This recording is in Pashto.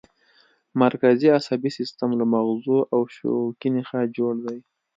مرکزي عصبي سیستم له مغزو او شوکي نخاع جوړ دی